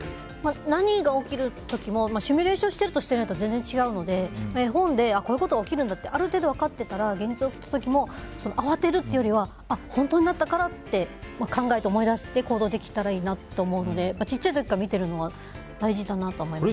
何が起きる時もシミュレーションしてるとしてないでは全然違うので絵本で、こういうことが起こるんだってあらかじめ分かっていたら現実で起きた時も慌てるというよりは本当になったからって考えて思い出して行動できたらいいなと思うので小さい時から見ておくのはいいと思いました。